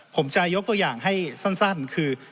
ผมจะยกตัวอย่างให้สั้นคือ